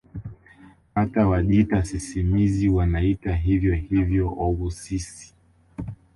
Hata Wajita sisimizi wanaitwa hivyo hivyo obhusisi